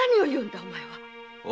いお前は！